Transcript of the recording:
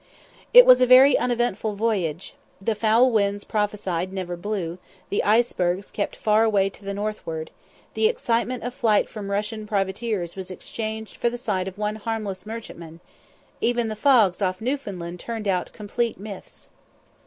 It was a very uneventful voyage. The foul winds prophesied never blew, the icebergs kept far away to the northward, the excitement of flight from Russian privateers was exchanged for the sight of one harmless merchantman; even the fogs off Newfoundland turned out complete myths.